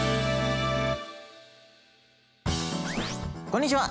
こんにちは！